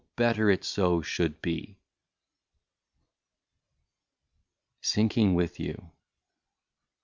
better it so should be ! 198 SINKING WITH YOU.